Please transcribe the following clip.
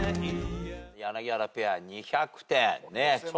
柳原ペア２００点。